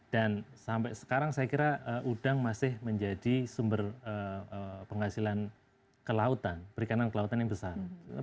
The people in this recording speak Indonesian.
dan sampai sekarang saya kira udang masih menjadi sumber penghasilan kelautan perikanan kelautan yang besar